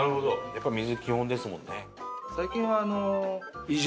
やっぱ水基本ですもんね。